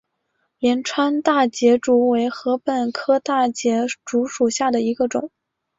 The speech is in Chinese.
灵川大节竹为禾本科大节竹属下的一个种。